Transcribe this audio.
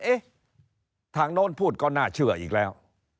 เอ๊ะทางโน้นพูดก็น่าเชื่ออีกแล้ว